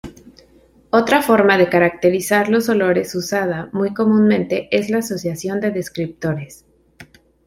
Otra forma de caracterizar los olores usada muy comúnmente es la asociación de descriptores.